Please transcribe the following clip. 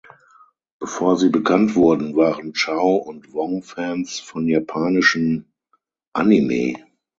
Bevor sie bekannt wurden, waren Chow und Wong Fans von japanischem Anime.